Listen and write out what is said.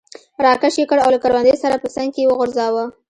را کش یې کړ او له کروندې سره په څنګ کې یې وغورځاوه.